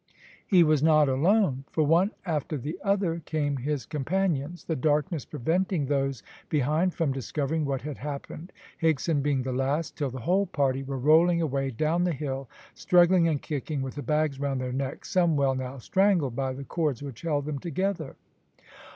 He was not alone, for one after the other came his companions, the darkness preventing those behind from discovering what had happened, Higson being the last, till the whole party were rolling away down the hill, struggling and kicking with the bags round their necks, some well nigh strangled by the cords which held them together.